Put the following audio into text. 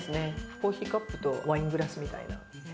コーヒーカップとワイングラスみたいな。